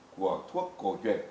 của thuốc cổ truyền